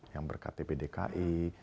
yang berkat tp dki